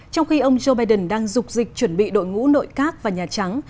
trong khi ông joe biden đang dục dịch chuẩn bị đội ngũ nội các và nhà trắng